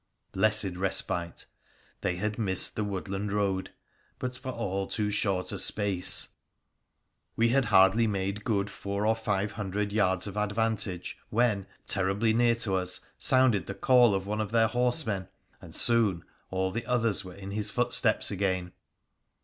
Blessed respite ! They had missed the woodland road — but for all too short a space. Wp 104 WONDERFUL ADVENTURES OF had hardly made good four or five hundred yards of advantage when, terribly near to us, sounded the call of one of their horsemen, and soon all the others were in his footsteps again.